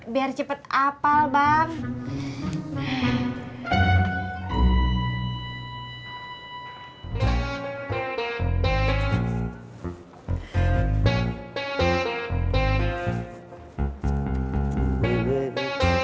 biar cepet apal bang